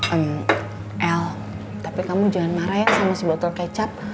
el tapi kamu jangan marah ya sama sebotol kecap